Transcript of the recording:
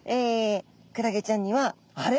クラゲちゃんにはあれ？